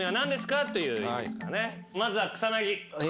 まずは草薙。